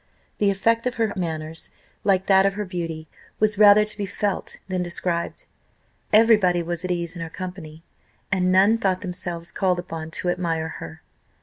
The effect of her manners, like that of her beauty, was rather to be felt than described. Every body was at ease in her company, and none thought themselves called upon to admire her.